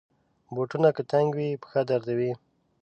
بوټونه که تنګ وي، پښه دردوي.